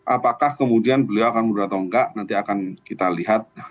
apakah kemudian beliau akan mundur atau enggak nanti akan kita lihat